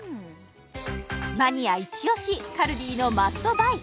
マニア一押しカルディのマストバイ！